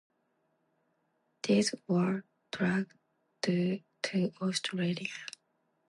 These were traced to Australia.